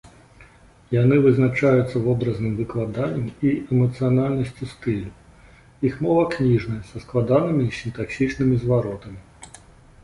Яны вызначаюцца вобразным выкладаннем і эмацыянальнасцю стылю, іх мова кніжная, са складанымі сінтаксічнымі зваротамі.